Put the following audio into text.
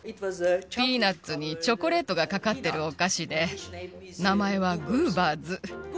ピーナツにチョコレートがかかってるお菓子で、名前はグーバーズ。